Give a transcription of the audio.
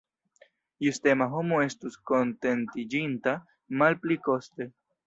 Justema homo estus kontentiĝinta malpli koste.